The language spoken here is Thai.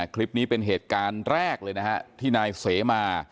คลิปนี้เป็นเหตุการณ์แรกเลยนะฮะที่นายเสมา